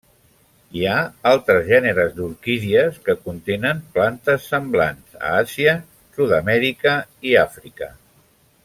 Hi ha altres gèneres d'orquídies que contenen plantes semblants a Àsia, Sud-amèrica i Àfrica.